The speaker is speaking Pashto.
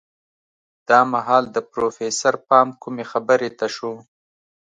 دا مهال د پروفيسر پام کومې خبرې ته شو.